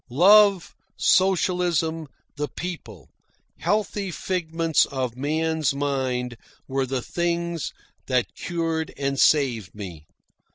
Love, socialism, the PEOPLE healthful figments of man's mind were the things that cured and saved me.